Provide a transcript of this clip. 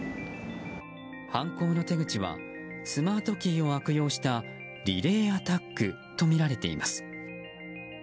犯行の手口はスマートキーを悪用したリレーアタックとみられています。